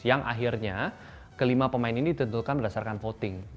yang akhirnya kelima pemain ini ditentukan berdasarkan voting